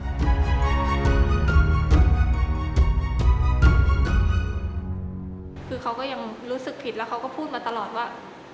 คือเขาก็ยังรู้สึกผิดแล้วเขาก็พูดมาตลอดว่า